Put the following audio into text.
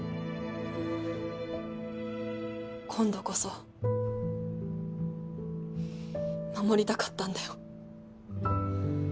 今度こそ守りたかったんだよ。